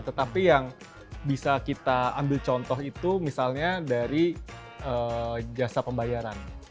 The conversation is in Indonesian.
tetapi yang bisa kita ambil contoh itu misalnya dari jasa pembayaran